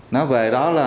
nó về đó là